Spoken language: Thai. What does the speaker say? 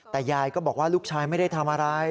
แต่ยายก็บอกว่าลูกชายไม่ได้ทำอะไร